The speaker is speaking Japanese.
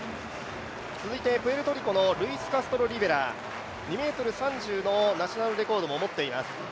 続いてプエルトリコのルイス・カストロリベラ、２ｍ３０のナショナルレコードも持っています。